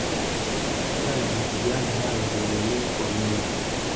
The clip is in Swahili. Kutokana na Mapigano hayo ya wenyewe kwa wenyewe